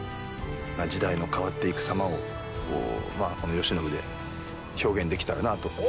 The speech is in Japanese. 時代の変わっていく様をこの慶喜で表現できたらなぁと。